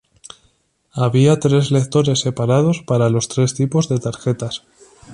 Había tres lectores separados para los tres tipos de tarjetas.